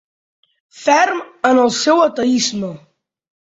Ferm en el seu ateïsme.